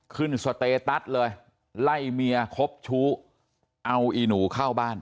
สเตตัสเลยไล่เมียคบชู้เอาอีหนูเข้าบ้าน